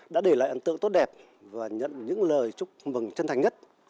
đã để lại ấn tượng tốt đẹp và nhận những lời chúc mừng chân thành nhất